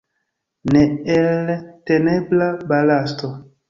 Neeltenebla balasto!